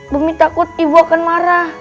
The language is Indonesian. bumi takut ibu akan marah